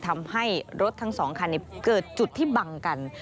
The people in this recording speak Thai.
ทำให้รถทั้ง๒คันเกิดจุดที่บังกัน